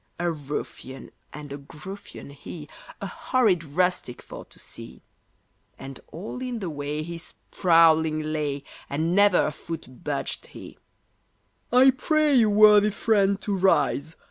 A ruffian and a gruffian he, A horrid rustic for to see: And all in the way he sprawling lay, And never a foot budged he. "I pray you, worthy friend, to rise!"